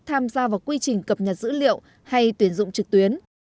tham gia vào quy trình cập nhật dữ liệu hay tuyển dụng trực tuyến